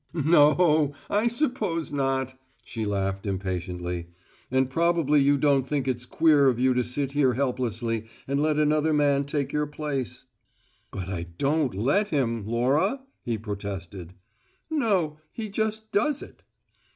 "No, I suppose not!" She laughed impatiently. "And probably you don't think it's `queer' of you to sit here helplessly, and let another man take your place " "But I don't `let' him, Laura," he protested. "No, he just does it!"